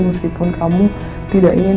meskipun kamu tidak ingin